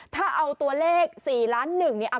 ถ้าเอาตัวเลข๔๑ล้าน